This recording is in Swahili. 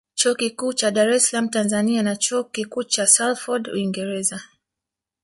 Chuo Kikuu cha DaresSalaam Tanzania na Chuo Kikuucha Salford uingereza